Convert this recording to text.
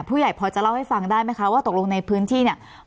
ผู้ใหญ่พอจะเล่าให้ฟังได้ไหมคะว่าตกลงในพื้นที่เนี่ย